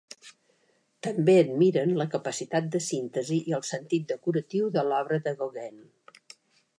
També admiraren la capacitat de síntesi i el sentit decoratiu de l'obra de Gauguin.